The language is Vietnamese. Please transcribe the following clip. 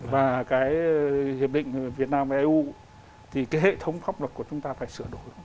và cái hiệp định việt nam và eu thì cái hệ thống pháp luật của chúng ta phải sửa đổi